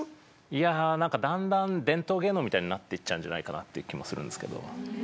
いやだんだん伝統芸能みたいになってっちゃうんじゃないかなって気もするんですけど。